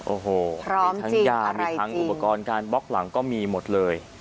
โอ้โหมีทั้งยามีทั้งอุปกรณ์การบล็อกหลังก็มีหมดเลย